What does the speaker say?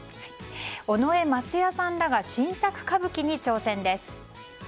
尾上松也さんらが新作歌舞伎に挑戦です。